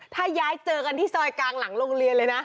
ถ้าย้ายเจอกันที่ซอยกลางหลังโรงเรียนเลยนะ